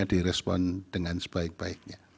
direspon dengan sebaik baiknya